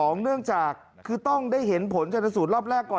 เนื่องจากคือต้องได้เห็นผลชนสูตรรอบแรกก่อน